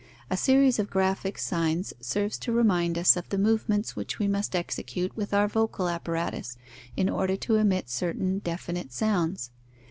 A series of graphic signs serves to remind us of the movements which we must execute with our vocal apparatus in order to emit certain definite sounds.